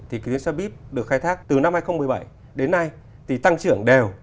thì cái xe buýt được khai thác từ năm hai nghìn một mươi bảy đến nay thì tăng trưởng đều